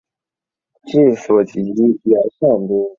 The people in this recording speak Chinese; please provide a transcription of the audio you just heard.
治所即元上都。